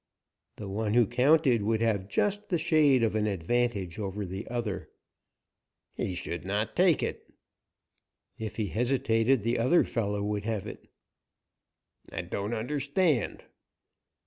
"The one who counted would have just the shade of an advantage over the other." "He should not take it." "If he hesitated, the other fellow would have it." "I don't understand."